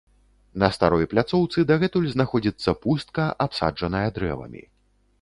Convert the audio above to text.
На старой пляцоўцы дагэтуль знаходзіцца пустка, абсаджаная дрэвамі.